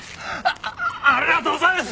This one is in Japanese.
ありがとうございます！